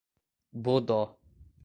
Bodó